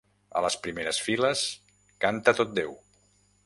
A les primeres files canta tot déu.